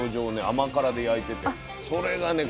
甘辛で焼いててそれがね